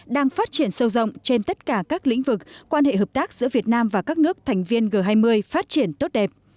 đang phát triển sâu rộng trên tất cả các lĩnh vực quan hệ hợp tác giữa việt nam và các nước thành viên g hai mươi phát triển tốt đẹp